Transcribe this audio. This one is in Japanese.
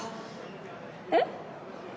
えっ？